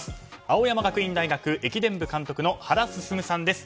青山学院大学駅伝部監督の原晋さんです。